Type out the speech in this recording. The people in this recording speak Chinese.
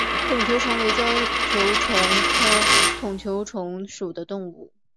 筒球虫为胶球虫科筒球虫属的动物。